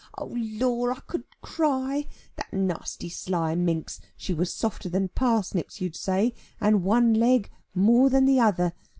Oh Lor, I could cry; that nasty sly minx, she was softer than parsnips, you'd say, and one leg more than the other.